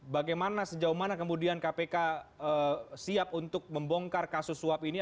bagaimana sejauh mana kemudian kpk siap untuk membongkar kasus suap ini